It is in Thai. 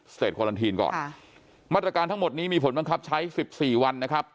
ควาลันทีนก่อนค่ะมาตรการทั้งหมดนี้มีผลบังคับใช้สิบสี่วันนะครับ